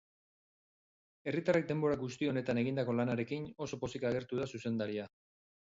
Herritarrek denbora guzti honetan egindako lanarekin oso pozik agertu da zuzendaria.